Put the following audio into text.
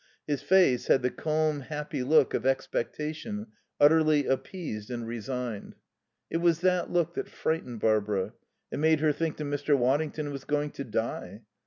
His face had the calm, happy look of expectation utterly appeased and resigned. It was that look that frightened Barbara; it made her think that Mr. Waddington was going to die.